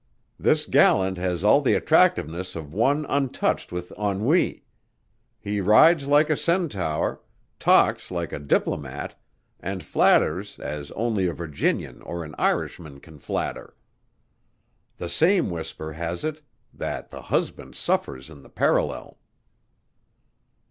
This gallant has all the attractiveness of one untouched with ennui. He rides like a centaur, talks like a diplomat and flatters as only a Virginian or an Irishman can flatter. The same whisper has it that the husband suffers in the parallel."